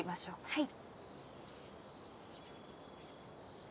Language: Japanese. はい。